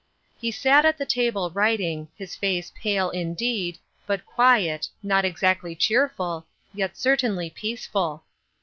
He sat at the table, writing, his face pale, indeed, but quiet, not exactly cheerful, yet certainly peace ful.